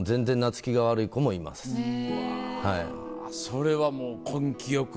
それはもう根気よく。